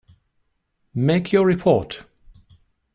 Make your report.